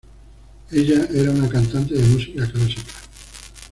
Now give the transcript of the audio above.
Ella era una cantante de música clásica.